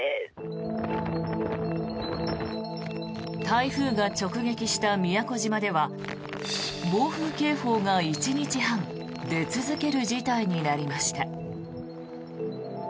台風が直撃した宮古島では暴風警報が１日半出続ける事態になりました。